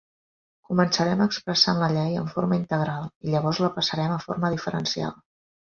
Començarem expressant la llei en forma integral, i llavors la passarem a forma diferencial.